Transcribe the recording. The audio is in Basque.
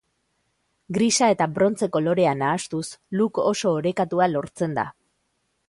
Grisa eta brontze kolorea nahastuz look oso orekatua lortzen da.